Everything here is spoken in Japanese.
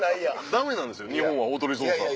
ダメなんですよ日本はおとり捜査。